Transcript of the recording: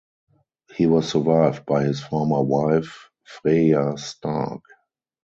He was survived by his former wife, Freya Stark.